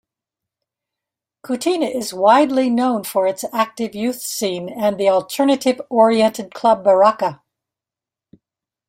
Kutina is widely known for its active youth scene and the alternative-oriented club Baraka.